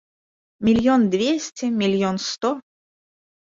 Мільён дзвесце, мільён сто!